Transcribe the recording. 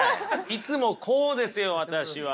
いつもこうですよ私は。